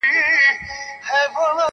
شرم پر حقيقت غالب کيږي تل,